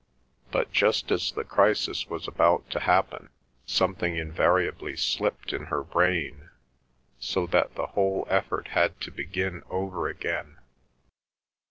But just as the crisis was about to happen, something invariably slipped in her brain, so that the whole effort had to begin over again.